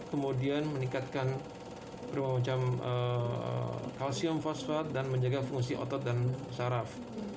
kemudian meningkatkan berbagai macam kalsium fosfat dan menjaga fungsi otot dan saraf